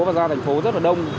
và ra thành phố rất là đông